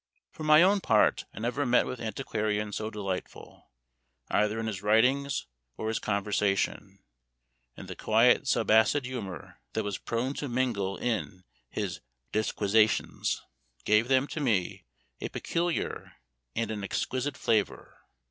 For my own part I never met with antiquarian so delightful, either in his writings or his conversation; and the quiet sub acid humor that was prone to mingle in his disquisitions, gave them, to me, a peculiar and an exquisite flavor.